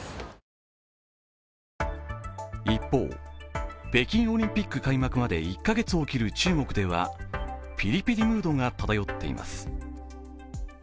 一方、北京オリンピック開幕まで１カ月を切る中国ではピリピリムードが漂っています。